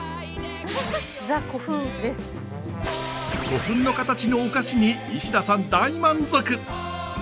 古墳の形のお菓子に西田さん大満足！